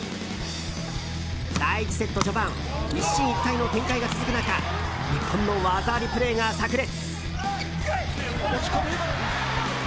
第１セット序盤一進一退の展開が続く中日本の技ありプレーがさく裂！